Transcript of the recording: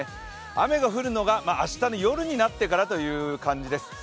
雨が降るのが明日の夜になってからという感じです。